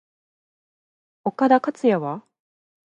岡田克也は？